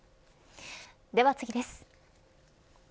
では次です。